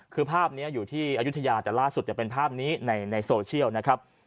คือภาพนี้อยู่ที่อายุทยาแต่ล่าสุดจะเป็นภาพนี้ในโซเชียลนะครับ